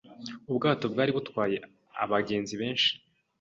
Ubwato bwari butwaye abagenzi benshi.